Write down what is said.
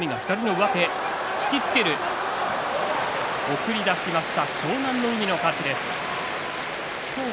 送り出しました。